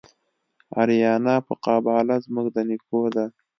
آریانا په قباله زموږ د نیکو ده